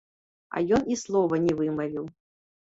А ён і слова не вымавіў.